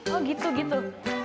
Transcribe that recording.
oh gitu gitu